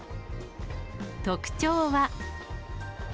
特徴は。